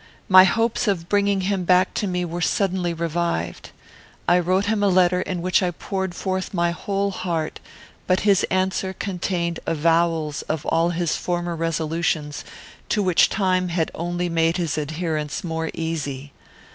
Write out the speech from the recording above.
My hopes of bringing him back to me were suddenly revived. I wrote him a letter, in which I poured forth my whole heart; but his answer contained avowals of all his former resolutions, to which time had only made his adherence more easy.